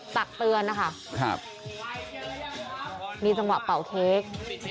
ตักเตือนนะคะครับนี่จังหวะเป่าเค้ก